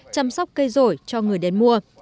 chăm sóc cây rổi cho người đến mua